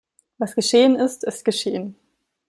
Was geschehen ist, ist geschehen.